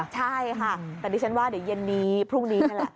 ใช่ค่ะแต่ดิฉันว่าเดี๋ยวเย็นนี้พรุ่งนี้นี่แหละ